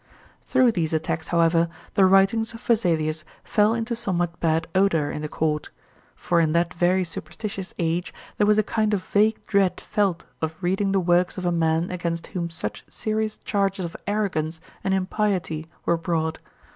Through these attacks, however, the writings of Vesalius fell into somewhat bad odour in the court; for in that very superstitious age there was a kind of vague dread felt of reading the works of a man against whom such serious charges of arrogance and impiety were brought.